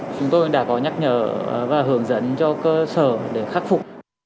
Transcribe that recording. chúng tôi đã có nhắc nhở và hướng dẫn cho cơ sở để khắc phục